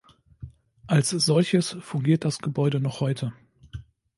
Als solches fungiert das Gebäude noch heute.